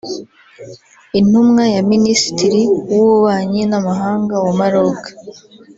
Intumwa ya Minisitiri w’Ububanyi n’Amahanga wa Maroc